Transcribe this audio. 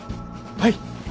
はい。